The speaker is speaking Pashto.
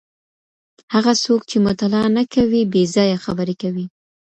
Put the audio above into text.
هغه څوک چي مطالعه نه کوي بې ځایه خبري کوي.